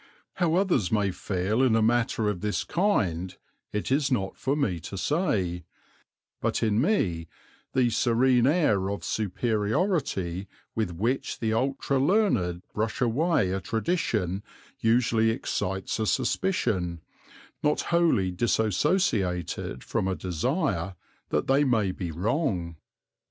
How others may feel in a matter of this kind it is not for me to say, but in me the serene air of superiority with which the ultra learned brush away a tradition usually excites a suspicion, not wholly dissociated from a desire, that they may be wrong.